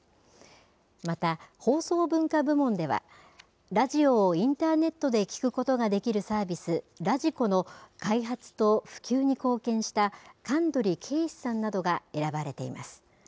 また、放送文化部門では、ラジオをインターネットで聞くことができるサービス、ｒａｄｉｋｏの開発と普及に貢献した香取啓志さんなどが選ばれています。